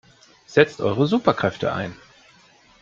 Setzt eure Superkräfte ein!